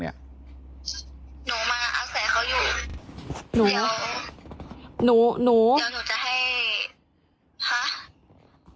เดี๋ยวหนูจะให้